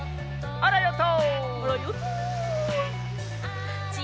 あらヨット！